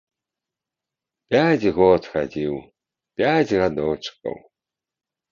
Пяць год хадзіў, пяць гадочкаў.